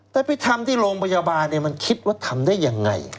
แต่ไปทำที่โรงพยาบาลมันคิดว่าทำได้ยังไง